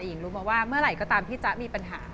หญิงรู้มาว่าเมื่อไหร่ก็ตามพี่จ๊ะมีปัญหา